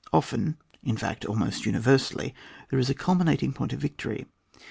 Often, in fact, almost uni versally, there is a culminating point of victory.